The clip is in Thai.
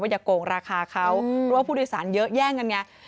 อย่าโกงราคาเขาเพราะว่าผู้โดยสารเยอะแย่งกันไง